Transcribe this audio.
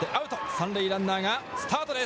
三塁ランナーがスタートです。